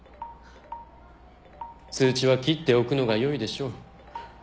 通知は切っておくのがよいでしょう。